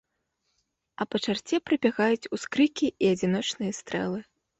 А па чарце прабягаюць ускрыкі і адзіночныя стрэлы.